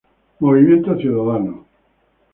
Movimiento Ciudadano